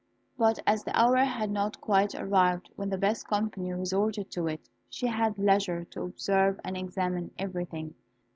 But as the hour had not quite arrived when the best company resorted to it, she had leisure to observe and examine everything.